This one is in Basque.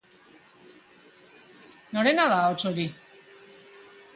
Norena da ahots hori?